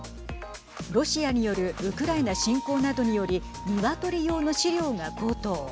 ロシアによるウクライナ侵攻などにより鶏用の飼料が高騰。